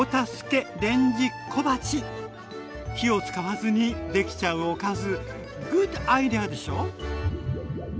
火を使わずにできちゃうおかずグッドアイデアでしょ？